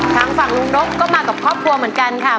ทางฝั่งลุงนกก็มากับครอบครัวเหมือนกันค่ะ